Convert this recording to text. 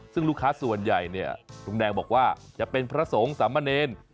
ซึ่งลูกค้าส่วนใหญ่ลุงแดงบอกว่าจะเป็นพระโสงสามเมน